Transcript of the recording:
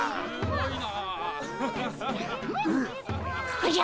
おじゃ！